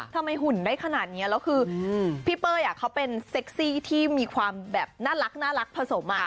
หุ่นได้ขนาดนี้แล้วคือพี่เป้ยเขาเป็นเซ็กซี่ที่มีความแบบน่ารักผสม